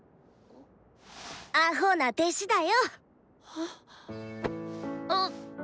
アホな弟子だよ。え？あ！